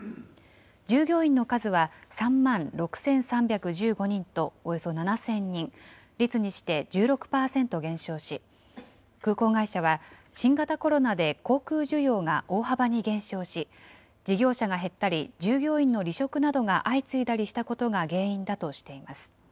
従業員の数は３万６３１５人とおよそ７０００人、率にして１６％減少し、空港会社は新型コロナで航空需要が大幅に減少し、事業者が減ったり従業員の離職などが相次いだりしたことが原因だとしています。